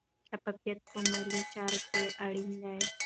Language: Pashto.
شفافیت په مالي چارو کې اړین دی.